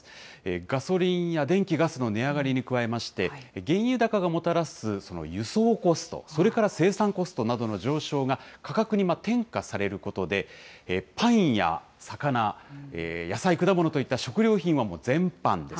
ガソリンや電気・ガスの値上がりに加えまして、原油高がもたらすその輸送コスト、それから生産コストなどの上昇が、価格に転嫁されることで、パンや魚、野菜、果物といった食料品はもう全般です。